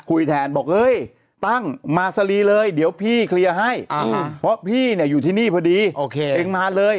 แทนบอกเฮ้ยตั้งมาสลีเลยเดี๋ยวพี่เคลียร์ให้เพราะพี่เนี่ยอยู่ที่นี่พอดีเองมาเลย